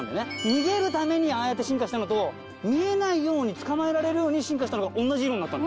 逃げるためにああやって進化したのと逃げないように捕まえられるように進化したのがおんなじ色になった。